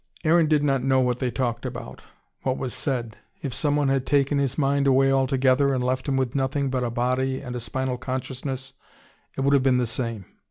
Aaron did not know what they talked about, what was said. If someone had taken his mind away altogether, and left him with nothing but a body and a spinal consciousness, it would have been the same.